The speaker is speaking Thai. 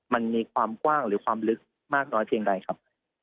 มันมีความกว้างหรือความลึกมากน้อยเพียงใดครับ